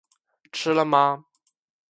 吃了吗